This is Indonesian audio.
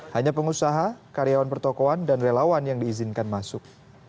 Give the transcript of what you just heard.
hanya pengusaha karyawan pertokohan dan relawan yang diizinkan masuk